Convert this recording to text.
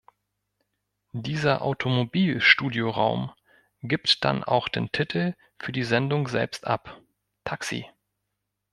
Dieser Automobil-Studioraum gibt dann auch den Titel für die Sendung selbst ab: Taxi.